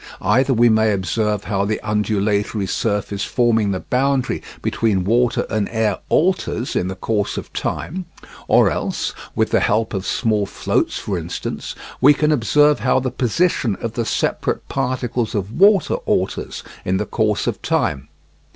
Either we may observe how the undulatory surface forming the boundary between water and air alters in the course of time; or else with the help of small floats, for instance we can observe how the position of the separate particles of water alters in the course of time.